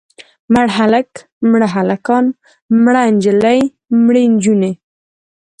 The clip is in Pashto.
مړ هلک، مړه هلکان، مړه نجلۍ، مړې نجونې.